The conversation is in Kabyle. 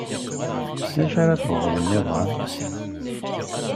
D acu ara tebɣuḍ nniḍen?